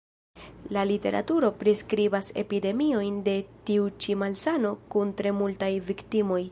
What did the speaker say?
La literaturo priskribas epidemiojn de tiu ĉi malsano kun tre multaj viktimoj.